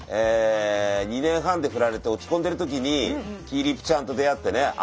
２年半でフラれて落ち込んでる時にきぃぃりぷちゃんと出会ってね